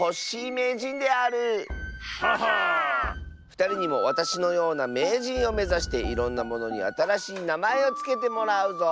ふたりにもわたしのようなめいじんをめざしていろんなものにあたらしいなまえをつけてもらうぞ。